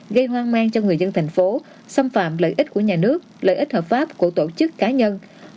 gây hoang mang cho người dân thành phố xâm phạm lợi ích của nhà nước lợi ích hợp pháp của tổ chức cá nhân